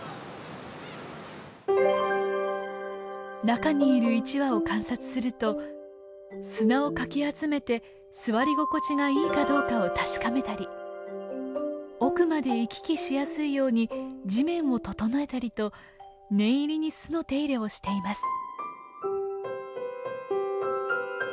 中にいる１羽を観察すると砂をかき集めて座り心地がいいかどうかを確かめたり奥まで行き来しやすいように地面を整えたりと念入りに巣の手入れをしています。